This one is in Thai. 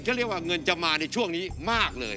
ก็เรียกว่าเงินจะมาในช่วงนี้มากเลย